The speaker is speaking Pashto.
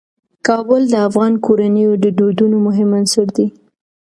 کابل د افغان کورنیو د دودونو مهم عنصر دی.